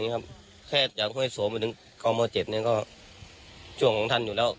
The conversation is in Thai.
แค่อยากให้สวมไปถึง๙โมเจ็ตเนี่ยก็ช่วงของท่านอยู่แล้ว